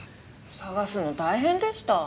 捜すの大変でした。